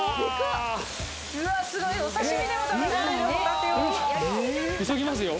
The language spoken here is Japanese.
うわすごいお刺身でも食べられるホタテを急ぎますよ